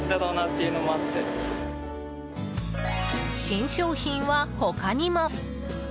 新商品は他にも。